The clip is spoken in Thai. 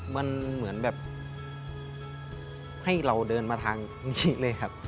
มันเหมือนแบบให้เราเดินมาทางมิชิเลยครับ